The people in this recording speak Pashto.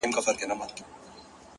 هغه به اور له خپلو سترګو پرېولي!!